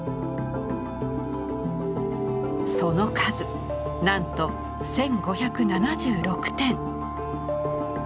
その数なんと１，５７６点！